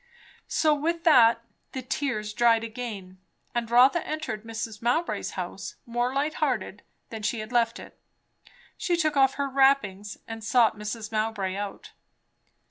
So with that the tears dried again, and Rotha entered Mrs. Mowbray's house more light hearted than she had left it. She took off her wrappings, and sought Mrs. Mowbray out.